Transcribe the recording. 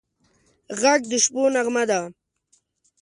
غږ د شپو نغمه ده